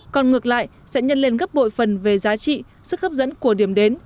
còn ngược lại sẽ nhân lên gấp bội phần về giá trị sức hấp dẫn của điểm đến